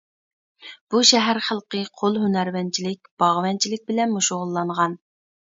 بۇ شەھەر خەلقى قول ھۈنەرۋەنچىلىك، باغۋەنچىلىك بىلەنمۇ شۇغۇللانغان.